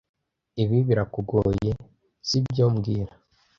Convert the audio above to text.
Ibi birakugoye, sibyo mbwira